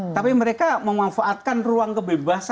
tapi mereka memanfaatkan ruang kebebasan demokrasi ini luar biasa